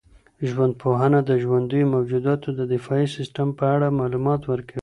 ژوندپوهنه د ژوندیو موجوداتو د دفاعي سیسټم په اړه معلومات ورکوي.